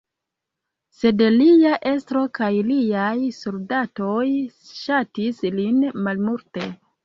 Sed lia estro kaj liaj soldatoj ŝatis lin malmulte.